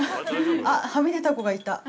◆あ、はみ出た子がいた。